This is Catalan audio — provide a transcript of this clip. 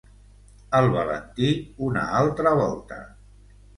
El Valentí, una altra volta...